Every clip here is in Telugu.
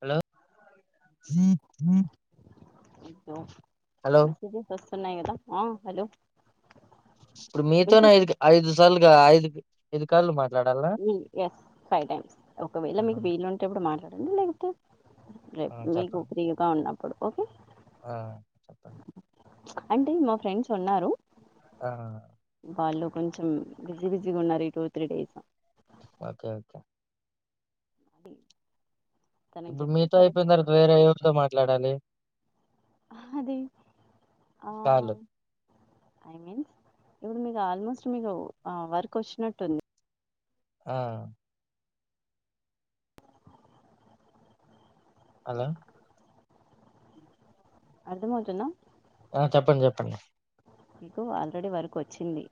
హలో హలో మెసేజ్ లు వస్తున్నాయి కదా హలో ఇప్పుడు వింటు మీతోనే ఐదు ఐదు సార్లుగా ఐదు ఐదు సార్లు మా ఎస్ ఫైవ్ టైమ్స్ ఒకవేళ ఆహా, మీకు వీలు ఉంటేప్పుడు మాట్లాడండి లేకపోతే ఆ, రేపు మీకు చెప్పండి ఫ్రీగా ఉన్నప్పుడు ఓకే ఆ చెప్పండి అంటే మా ఫ్రెండ్స్ ఉన్నారు ఆ వాళ్ళు కొంచెం బిజీ బిజీగా ఉన్నారు ఈ two three days okay okay అది తనకి ఇప్పుడు చెప్తే మీతో సరే అయిపోయిన మా- తర్వాత వేరే ఎవరితో మాట్లాడాలి అదే ఆ కాలు ఐ మీన్స్ ఇప్పుడు మీకు ఆల్మోస్ట్ మీకు వర్క్ వచ్చినట్టుంది ఆ హలో అర్థమవుతుందా ఆ చెప్పండి చెప్పండి మీకు ఆల్రెడీ వర్క్ వచ్చింది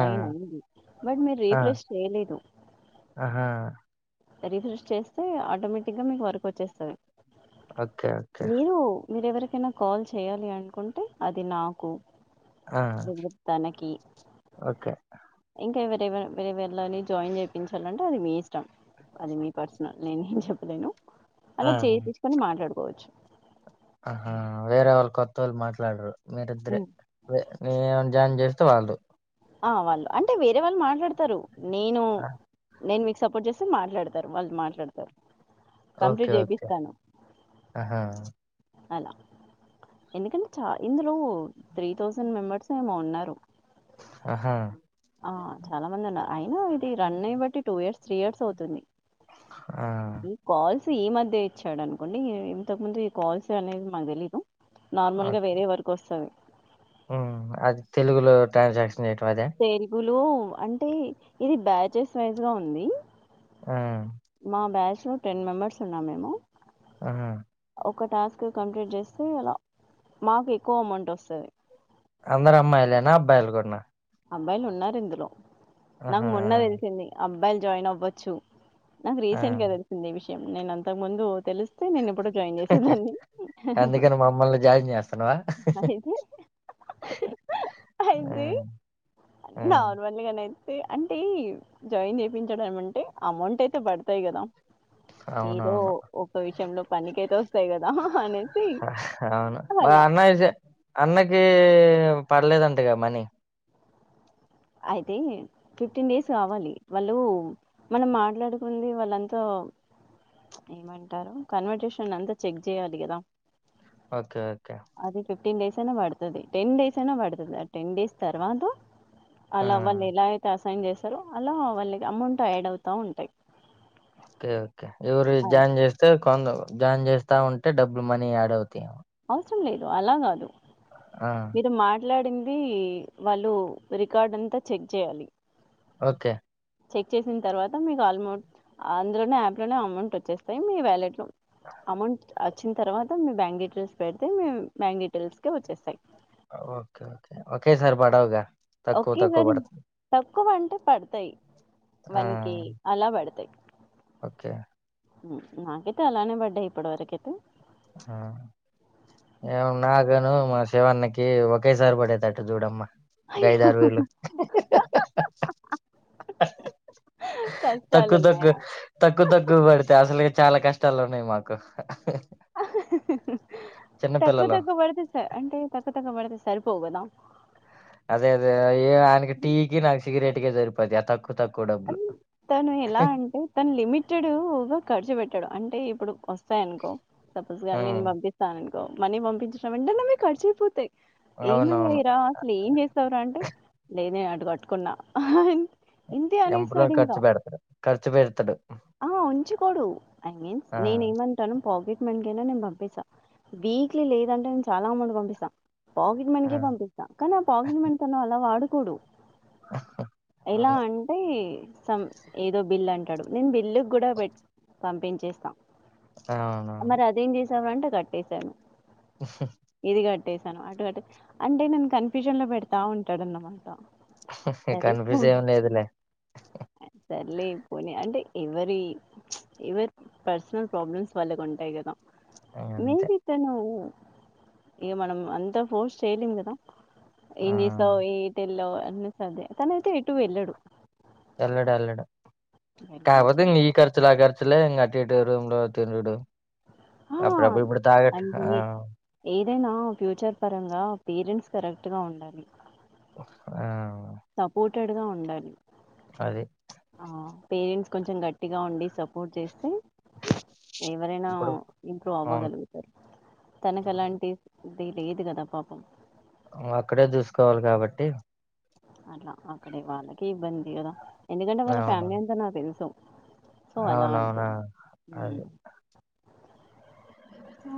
ఆ అయింది బట్ మీరు ఆ రీఫ్రెష్ చేయలేదు ఆహా రీఫ్రెష్ చేస్తే ఆటోమేటిక్ గా మీకు వర్క్ వచ్చేస్తది ఓకే అక్కయ్య మీర ఎవరికైనా కాల్ చేయాలి అనుకుంటే అది నాకు ఆ తనకి ఓకే ఇంకా ఎవరే వేరే వేరళని జాయిన్ చేయిచాలంటే అది మీ ఇష్టం అది మీ పర్సనల్ నేనేం చెప్పలేను ఆ అలా చేయి తీసుకొని మాట్లాడుకోవచ్చు ఆహా వేరే వాళ్ళు కొత్త వాళ్ళు మాట్లాడరు మీరిద్దరే హ్మ్. జాయిన్ చేస్తే వాళ్ళు ఆ వాళ్ళు అంటే వేరే వాళ్ళు మాట్లాడతారు నేను ఆ, నేను మీకు సపోర్ట్ చేస్తే మాట్లాడతారు వాళ్ళు మాట్లాడతారు ఓకే కంప్లీట్ ఓకే చేపిస్తాను ఆహా అలా ఎందుకంటే చ ఇందులో త్రీ థౌజండ్ మెంబర్స్ ఏమో ఉన్నారు ఆహా ఆ చాలా మంది అన్నారు అయినా ఇది రన్ అయ బట్టి టూ ఇయర్స్ త్రీ ఇయర్స్ అవుతుంది ఆ ఈ కాల్స్ ఈ మధ్య ఇచ్చాడు అనుకోండి ఇంతకు ముందు ఈ కాల్స్ అనేది మాకు తెలీదు నార్మల్ ఓకే గా వేరే వరకు వస్తంది అది తెలుగులో ట్రాన్స్ తెలుగులో అంటే ఇది బ్యాచెస్ వైజ్ గా ఉంది ఆ సో టెన్ మెంబర్స్ ఉన్నాం మేము ఆ హు ఒక టాస్క్ కంప్లీట్ చేస్తే ఇలా మాకు ఎక్కువ అమౌంట్ వస్తుంది అందరు అమ్మాయిలేనా అబ్బాయిలు కూడాన్నా అబ్బాయిలు ఉన్నారు ఇందులో నాకు ఆహా! మొన్న తెలిసింది అబ్బాయిలు జాయిన్ అవ్వచ్చు నాకు ఆ! ఆ! రీసెంట్ గా తెలిసింది ఈ విషయం నేను అంతకు ముందు తెలిస్తే నేను ఎప్పుడో జాయిన్ చేసేదాన్ని అందుకని మమ్మల్ని జాయిన్ చేస్తున్నావా అంది హ్మ్. నార్మల్గానే అయితే అంటే జాయిన్ చేయిచడం ఏమంటే అమౌంట్ అయితే పడతాయి కదా ఏదో అవునవును. ఒక్క విషయంలో పనినికితే వస్తాయి కదా అనేసి ఆల అన్న వి అన్నకి పడలేదంటగా మనీ అయితే ఫిఫ్టీన్ డేస్ కావాలి వాళ్ళు మనం మాట్లాడుకుంది వాళ్ళంతా ఏమంటారు కన్వర్టేషన్ అంతా చెక్ చేయాలి కదా ఓకే ఓకే ఫిఫ్టీన్ డేస్ అయినా పడుతది టెన్ డేస్ అయినా పడుతది ఆ టెన్ డేస్ తర్వాత ఆ! అలా వాళ్ళు ఎలా అయితే అసైన్ చేస్తారో అలా వాళ్ళకి అమౌంట్ యాడ్ అవుతా ఉంటాయి ఓకే ఓకే ఎవరు అది జాయిన్ చేస్తే కొందరు జాయిన్ చేస్తా ఉంటే డబ్బులు మనీ యాడ్ అవుతాయి ఏమో అవసరం లేదు అలా కాదు ఆ! మీరు మాట్లాడిం వాళ్ళు రికార్డ్ అంతా చెక్ చేయాలి ఓకే చెక్ చేసిన తర్వాత మీకు ఆల్మోస్ట్ అందులోనే యాప్ లోనే అమౌంట్ వచ్చేస్తాయి మీ వ్యాలెట్ లో అమౌంట్ వచ్చిన తర్వాత మీ బ్యాంక్ డీటెయిల్స్ పెడితే మీ బ్యాంక్ డీటెయిల్స్ కే వచ్చేస్తాయి ఆ ఓకే ఓకే ఒకేసారి పడవుగా తక్కువ తక్కువ ఒకేసారి పడతాయి. తక్కువ అంటే పడతాయి ఆ! వన్ కే అలా పడతాయి ఓకే నాకైతే అలానే పడ్డాయి ఇప్పటివరకైతే ఆ ఏమో నాకను మస్ శ్రవణ్ణకి ఒకేసారి పడేటట్టు చూడమ్మ ఒక ఐదు అయ్యో ఆరు వేలు తక్కువ కష్టాలున్నాయా తక్కువ తక్కువ తక్కువ పడితే అసలే చాలా కష్టాలు ఉన్నాయి మాకు చిన్న తక్కువ పిల్లలు తక్కువ పడుతే సార్ అంటే తక్కువ తక్కువ పడదు సార్ సరిపోవు గదా అదే అదే ఆయనకి టీ కి నాకు సిగరేట్ కే సరిపోద్ది ఆ తక్కువ తక్కువ డబ్బులు తను ఎలా అంటే తను లిమిటెడ్గా ఖర్చు పెట్టాడు అంటే ఇప్పుడు వ స్తాయి అనుకో సపోజ్గా నేను ఉమ్ పంపిస్తాను అనుకో మనీ పంపించిన వెంటనే మీకు ఖర్చు అయిపోతాయి అవునవును ఏమయ్యాయిరా అసలు ఏం చేస్తావరా అంటే లేదే నేను అటు కట్టుకున్నా ఇంతే ఎంపలో అనేస్తాడు ఇంకా ఖర్చు పెడతాడు ఖర్చు పెడతాడు ఆ ఉంచుకోడు ఐ మీన్ ఆ నేను ఏమంటాను పాకెట్ నేను పంపిస్తా వీక్లీ లేదంటే నేను చాలా అమౌంట్ పంపిస్తా పాకెట్ ఆ మనీకే పంపిస్తా కానీ ఆ పాకెట్ మనీ తను అలా వాడుకోడు ఎలా అవును అంటే సం ఏదో బిల్ అంటాడు నేను బిల్లు కూడా పెట్ పంపించేస్తా అవునా మరి [unintelligible] అంటే కట్టేశాను [inaudible] పెట్టేశాను అటు అంటే నన్ను కన్ఫ్యూషన్ లో పెడతా ఉంటాడన్నమాట సరే కన్ఫ్యూస్ పోనీ, ఏం లేదులే లేకపోనీ అంటే ఎవరి ప్చ్ ఎవరి పర్సనల్ ప్రాబ్లమ్స్ వాళ్ళకు ఉంటాయి కదా అంతే మేబి తను ఇగ మనం అంతా ఫోర్స్ చేయలేం కదా ఏం ఆ చేస్తావ్ ఈ ఇటెల్లో అన్న సాధ్య తన అయితే ఎటు వెళ్ళడు ఎల్లడు ఎల్లడు ప్చ్ వెళ్ళడు కాకపోతే మీ ఖర్చులు ఆ ఖర్చు లే అటు ఇటు రూమ్ లో తినుడు ఆ అప్పుడప్పుడు ఇప్పుడు తాగ ఆ అదేనా ఫ్యూచర్ పరంగా పేరెంట్స్ కరెక్ట్గా ఉండాలి ఆ సపోర్టెడ్ గా ఉండాలి అదే ఆ పేరెంట్స్ కొంచెం గట్టిగా ఉండి సపోర్ట్ చేస్తే ఎవరైనా ఇప్పుడు ఇంప్రూవ్ అవును అవ్వగలుగుతారు తనకు అవును. అలాంటి అదే లేదు కదా పాపం ఇంకా అక్కడే చూసుకోవాలి కాబట్టి అట్లా అక్కడే వాళ్ళకి ఇబ్బంది కదా ఎందుకంటే వాళ్ళ అవును ఫ్యామిలీ అంతా నాకు తెలుసు సో అలా అవునవునా ఉంటంట అది ఆ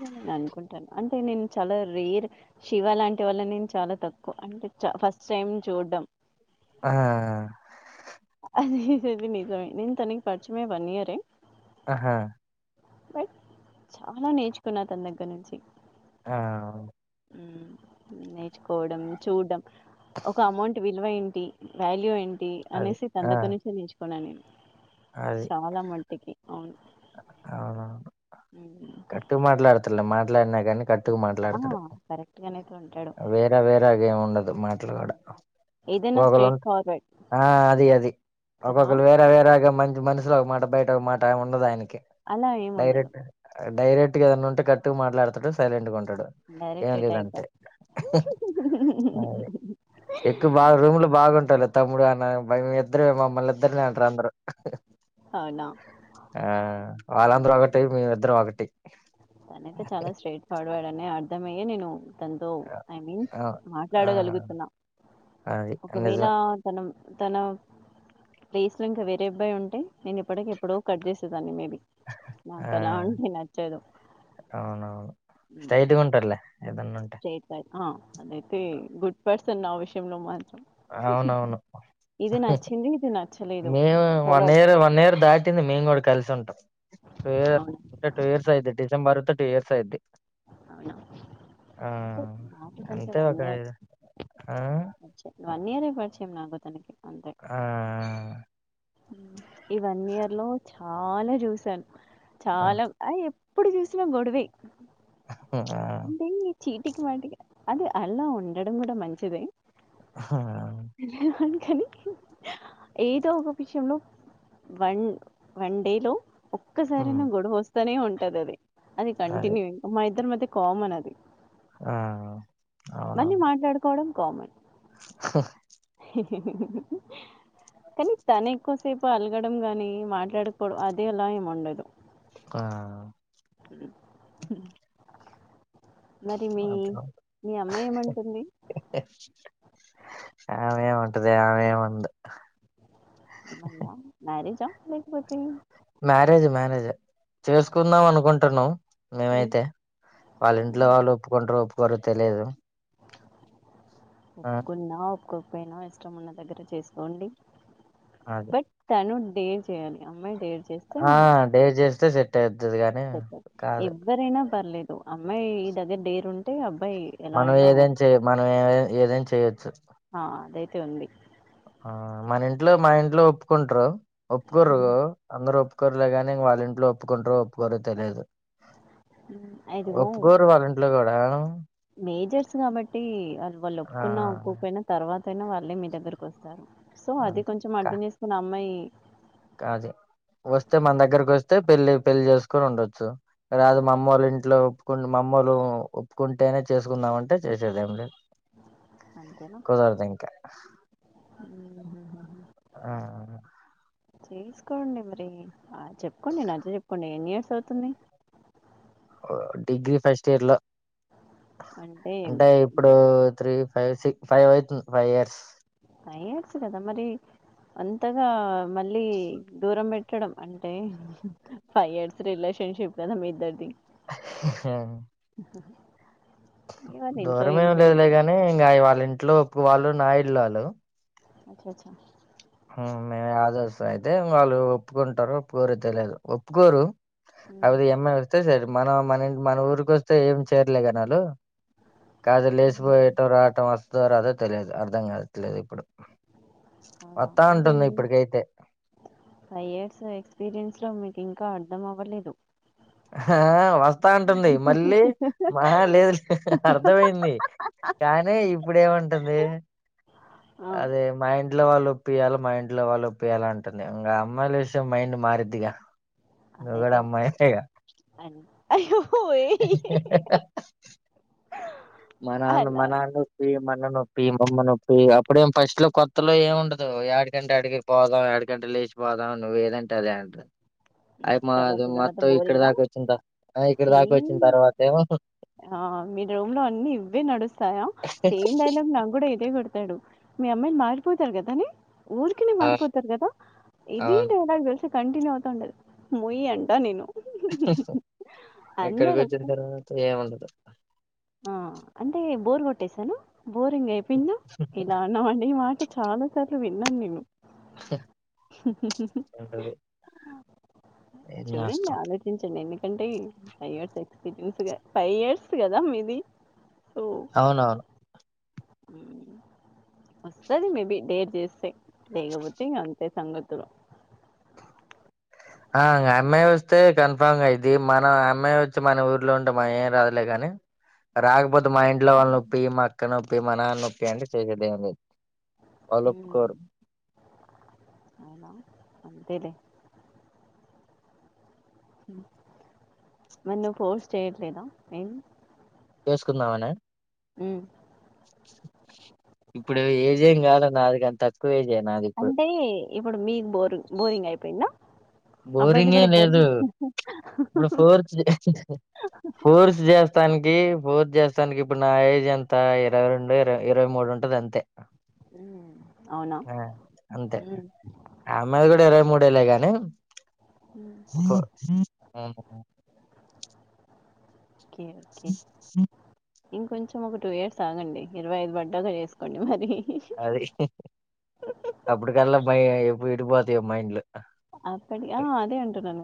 నేను అనుకుంటాను అంటే నేను చాలా రేర్ శివ లాంటి వళ్ళ నేను చాలా తక్కువ అంటే ఫస్ట్ టైం చూడ్డం ఆ అది అది న నను తనకి పడిచమే వన్ ఇయర్ే హా బట్ చాలా నేర్చుకున్నారు తన దగ్గర నుంచి ఆ నేర్చుకోవడం చూడ్డం ఒక అమౌంట్ విలువ వాల్యూ ఏంటి అది అనేసి తన ఆ దగ్గర నుంచే నిచుకున్నాను నేను అది చాలా మట్టికి అవును అవునవును హ్మ్. కట్టు మాట్లాడుతలే మాట్లాడినా కానీ కట్టు ఎకు ఆ! మాట్లాడతాడు కరెక్ట్‌గానైతే ఉంటాడు. వేరాే వేరా గ ఏమి ఉండదు మాటలు కూడా ఏదైనా ఒకొక్కరు స్ట్రెయిట్ ఉంట ఫార్వర్డ్ ఆ అది అది కదా! ఒకొక్కరు వేరే వేరేగా మంచి మనుషులో ఒక మాట బయట ఒక మాట ఉండదు ఆయనకి అలా ఏముండదు. డైరెక్ట్ డైరెక్ట్ ఏదనా ఉంటే గట్టు మాట్లాడతాడు సైలెంట్ గా ఉంటాడు ఏం డైరెక్ట్ ఎటాక్‌గా. లేదంటే అదే ఎక్కువ బాగా రూమ్ లో బాగుంటారు తమ్ముడు అన్న మ ఇద్దరు మమ్మల్ని ఇద్దరునే అంటారు అందరు అవునా ఆ వాళ్ళందరూ ఒకటి మీమిద్దరం ఒకటిటి తాన అయితే చాలా స్ట్రైట్ ఫార్వర్డ్ అనే అర్థంమయ్యే నేను అ తతో ఐ మీన్స్ ఆ ఆ మాట్లాడగలుగుతున్నా అది ఒకవేళ నిజమే తను తన ప్లేస్ లో ఇంకా వేరే అబ్బాయి ఉంటే నేను ఇప్పటికి ఎప్పుడో కట్ చేసేదాన్ని మేబ ఆ నాకులా ఉండి నాచ్చ అవునవును మ్మ్. స్టైట్గా ఉంటారులే ఏదన్నా ఉంటే స్ట్రైట్ ఫార్వర్డ్. ఆ అదైతే గుడ్ పర్సన్ ఆ విషయంలో మా అవునవును నచ్చింది ఇది నచ్చలేదు మేము చాలా one okay year one year దాటింది మేము కూడా కలిసి ఉంటాం టూ ఇయర్స్ అవునా టూ ఇయర్స్ యిది డిెబర్త్ టూ ఇయర్స్ యిది అవున ఆ ఎంతే వన్ ఒకకా ఇయర్ ఆ పరిచయం వన్ ఇయర్ే పడిచేం నా గతనికి ఆ ఈ వన్ ఇయర్ లో చాలా చూసాను ఆ చాలా అ ఇప్పుడు చూసినా గొడవే ఆ అంటే ఈ చీటికి వాటికి అదిే అలా ఉండడం కూడా మంచిదే హా కానీ ఏదో ఒక విషయంలో వన్ వన్ డే లో ఒక్కసార హ్మ్. గొడవ వస్తానే ఉంటది అది అది కంటిన్యూ ఇ మా ఇద్దరు మధ్య కోమన్ అది ఆ మళ్ళీ అవునవును మాట్లాడుకోవడం కామెం ఎనీ తనేకుస తప్పు అలగడం గాని మాట్లాడుకూడదు అది అలా ఏం ఉండదు ఆ మరి మీ మీ అమ్మాయి ఏమంటుంది అ ఆమెమంటది ఆమె వంద మ్యారేజ లేకపోతే మ్యారేజ్ మ్యారేజ్ చేసుకుందాం అనుకుంటున్నా ఉమ్, మేమైతే వాళ్ళ ఇంట్లో ఉమ్, వాళ్ళు ఒప్పుకుంటారు ఒప్పు ఎవరు తెలియదు ఆ ఒప్పుకున్నా ఒకోకపోయినా ఇష్టం ఉన్న దగ్గర చేసుకోండి అది బట్ తను డేట్ చేయాలి అమ్మాయి డేట్ ఆ డేర్ చేస్తే సెట్ అవుతుది గాని సెట్ కాదు ఎవ్వరైనా పర్లేదు అమ్మాయి దగ్గర డేరు ఉంటే అబ్బాయి ఎలా మనం అయినా ఏదైం చెయ మనం ఏ ఏదైం చేయొచ్చు ఆ అదైతే ఉంది ఆ మన ఇంట్లో మా ఇంట్లో ఒప్పుకుంటారు ఒప్పుకోరు ఉమ్, అందరుూ ఒప్పు ఒప్పుకోరులేలాగానే వాళ్ ఇంటిలో ఒప్పుకుంటారో ఒప్పుకోరో తెలియదు ఉమ్, ఇదిగో ఒప్పుకోరు వాళ్ళ ఇంట్లో కూడా మేజర్స్ కాబట్టి వ వాళ్ళు ఆ ఒప్పుకున్న ఒప్పుకపోయినా తర్వాత యినా వాళ్ళే మీ దగ్గరకు వస్తారు సో అది కొంచెం అర్థం చేసుకున్న అమ్మాయి కాదు వస్తే మన దగ్గరకి వస్తే పెళ్లి పెళ్లి చేసుకొని ఉండొచ్చు రాదు మా అదే అమ్మ వాళ్ళ ఇంట్లో మమ్మలు ఒప్పుకుంటేనే చేసుకుందామంటే చేసేదేం అంతేనా కుదారుదు ఇంకా ఉమ్, ఆ చేసుకోండి మరి ఆ చెప్పుకోండి నచ్చ చెప్పుకోండి ఎన్ని ఇయర్స్ అవుతుంది డిగ్రీ ఫస్ట్ ఇయర్ లో అంటే ఇప్పుడు త్రీ ఫైవ్ సిక్ ఫైవ్ అవుతుంది ఫైవ్ ఇయర్స్ ఫైవ్ ఇయర్స్ కదా మరి అంతగా మళ్ళీ దూరం పెట్టడం అంటే ఫైవ్ ఇయర్స్ రిలేషన్ షిప్ ఇద్దర్ది హ హ దూరం లేదులేగాని ఇంకా వాళ్ళ ఇంట్లో ఒప్పు వాళ్ళు నా ఇల్లు వాళ్ళు అచ్చ అచ్చా మేము ఆదస్తం అయితే వాళ్ళు ఒప్పుకుంటారు ఒప్పుకోరు తెలియదు ఒప్పుకోరు ఉమ్. అందులో ఈ అమ్మాయి వస్తే సరే మన ఇ మన ఊరిక వస్తే ఏం చేయరలే కనీ వాు కదు లేసుపో ఏ ఉమ్. ఆట మా అదో తెలియదు అర్థం కాదు తెలియదు ఇప్పుడు అవునా వస్తా అంటే ఉంటుంది ఇప్పటికైతే ఫైవ్ ఇయర్స్ ఎక్స్పీరియన్స్ లో మీకు ఇం ఇంకా అర్థం అవ్వలేదు ఆ వస్తా అంటుంది మళ్ళీ లేదు లే అర్థమయింది కానీ ఇప్పుడ ఏమంటుంది ఆ, అదే మహంత ఇంట్లో వాళ్ళు ఒప్పయాలి మా ఇంట్లో వాళ్ళు ఒప్పయాల అంటుంది ఇంకా అమ్మాయిలు వే మైండ్ మారిద్దిగా నువ్వు కూడా అమ్మాయిగా అయో ఏ మా నాన్న మా నాన్న నొప్పి ఇల నొప్పి మొమ్మ నొప్పి అప్పుడేం ఫస్ట్ లో కొత్తలో ఏమి ఉండదు ఏడకంట ఆడికి పోదాం ఏడుకంట వసి పోపోదావు నువవు ఏదంట అఅంట [unintelligible] అయి తర్వాత మాది తర్వాత మొత్తం ఇక్కడ బోరింగా దాకా వచ్చిన ఇక్కడ దాకా సేమ్ వచ్చిన తర్వాత ఏమో ఆ మీ రూమ్ లో అన్ని ఇవే నడుస్తాయా సేమ్ డైలాగ్ నాకు కూడా ఇదే పెడతాడు మీ అమ్మాయిలు మారిపోతారు కదానె ఊరికినే ఆ మారిపోతారు కదా ఇది అవును డైలాగ్ తెలిసి కంటిన్యూ అవుతా ఉండది ముయ్ అంటా నేను ఎక్కడికి అందరు వచ్చిన తర్వాత ఏముండదు ఆ అంటే బోర్ కొట్టేసాన బోరింగ్ అయిపొయింద ఇలా అన్న అట చాలా సార్లు విన్నాను నేను అంటది చూడండి ఆలోచించండి ఎన్ని ఎందుంటే five years experience five years కదా మీది అవునవును వస్తాది మేబి డేర్ చేస్తే లేగపోతె ఇగ అంత సంగతులు ఆ ఇంగ అమ్మాయి వస్తే కన్ఫామ్ గా అయిద్ది మన అమ్మాయి వచ్చి మన ఊర్లో ఉంటె మన ఏం రాదులే కాని రాకపోతే మా ఇంట్లో వాళ్ళు నొప్పియ్ మా అక్క నొప్పియ్ మా నాన్న నొప్పియ్ అంటే చేసేది ఏం లేదు వాళ్ళు మ్ ఒప్పుకోరు అవునా అంతేలే మరి నువ్ పోర్స్ చేయట్లేదా ఏమి చేసుకుందావన మ్ ఇప్పుడు ఏజం కాదు నాది కాని తక్కువ ఏజె నాది ఇప్పుడు బోరు బోరింగ్ అయిపోయింద బోరింగ్ ఏం లేదు ఇప్పుడు ఫోర్స్ ఫోర్స్ చేస్తానికి పోర్స్ చేస్తానికి ఇప్పుడు నా ఏజ్ ఎంత ఇరవై రెండు ఇరవై ఇరవై మూడు ఉంటుది అంతే మ్ ఆ అంతే ఆ అమ్మాయి ది కూడా ఉమ్ ఇరవై మూడేళ్ళ గాని ఉమ్. మ్ ఓకె ఓకె ఇంకొంచెం ఒక టూ ఇయర్స్ ఆగండి ఇరవై ఐదు పడ్డాగా చేసుకోండి మరి అది ఎటు పోతయో మైండ్ లు అప్పడి ఆ అదే ఉంటున్నాను గ